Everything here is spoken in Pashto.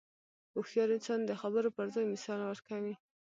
هوښیار انسان د خبرو پر ځای مثال ورکوي.